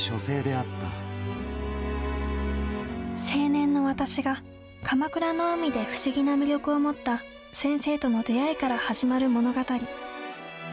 青年の「わたし」が鎌倉の海で不思議な魅力を持った「先生」との出会いから始まる物語。